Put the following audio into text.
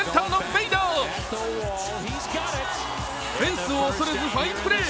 フェンスを恐れずファインプレー。